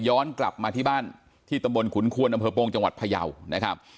ย้อนกลับมาที่บ้านที่ตำบลขุนควนอำเภอโปงจังหวัดพยาวนะครับ